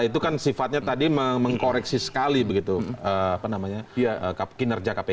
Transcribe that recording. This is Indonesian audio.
itu kan sifatnya tadi mengkoreksi sekali begitu kinerja kpk